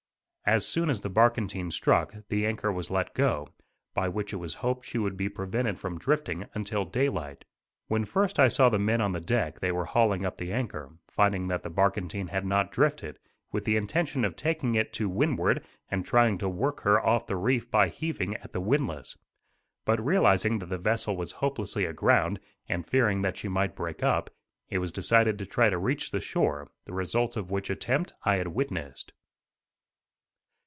As soon as the barkentine struck, the anchor was let go, by which it was hoped she would be prevented from drifting, until daylight. When first I saw the men on the deck they were hauling up the anchor, finding that the barkentine had not drifted, with the intention of taking it to windward and trying to work her off the reef by heaving at the windlass. But realizing that the vessel was hopelessly aground, and fearing that she might break up, it was decided to try to reach the shore, the result of which attempt I had witnessed.